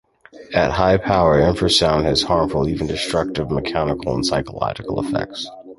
At high power, infrasound has harmful, even destructive, mechanical and physiological effects.